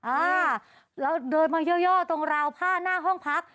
อ่าแล้วเดินมาย่อตรงราวผ้าหน้าห้องพัก